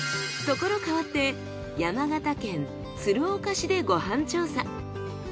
所変わって山形県鶴岡市でご飯調査。